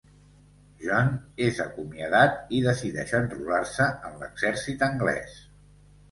John és acomiadat i decideix enrolar-se en l'exèrcit anglès.